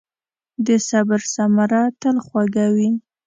د صبر ثمره تل خوږه وي.